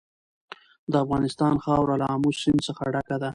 د افغانستان خاوره له آمو سیند څخه ډکه ده.